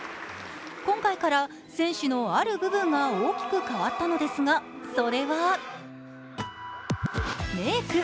今回から選手のある部分が大きく変わったのですが、それはメーク。